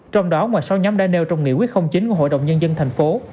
trong đó ngoài sau nhóm đa nêu trong nghị quyết không chính của hội đồng nhân dân thành phố